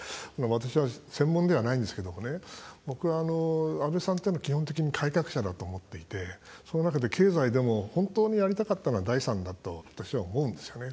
私は専門ではないんですけども僕は安倍さんというのは基本的に改革者だと思っていてその中で経済でも本当にやりたかったのは第３だと私は思うんですよね。